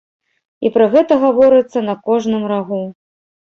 І пра гэта гаворыцца на кожным рагу.